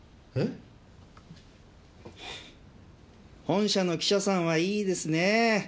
本社の記者さんはいいですねぇ。